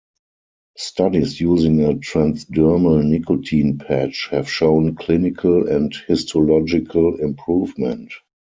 Studies using a transdermal nicotine patch have shown clinical and histological improvement.